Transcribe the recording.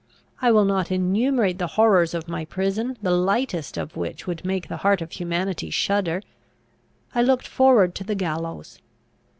I will not enumerate the horrors of my prison, the lightest of which would make the heart of humanity shudder. I looked forward to the gallows!